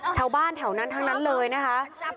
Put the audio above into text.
ชาวบ้านแถวนี้พวกนั้นเลยนะคะ